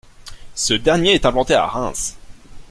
Ce dernier est implanté à Reims.